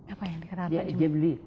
apa yang dikenal